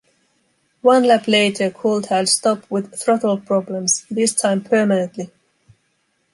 One lap later Coulthard stopped with throttle problems, this time permanently.